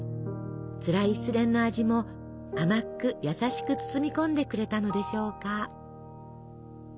つらい失恋の味も甘く優しく包み込んでくれたのでしょうか。